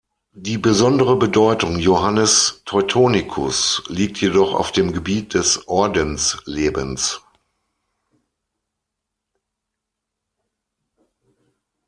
Die besondere Bedeutung Johannes Teutonicus’ liegt jedoch auf dem Gebiet des Ordenslebens.